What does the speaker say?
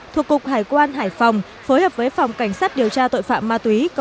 thuộc cục hải quan hải phòng phối hợp với phòng cảnh sát điều tra tội phạm ma túy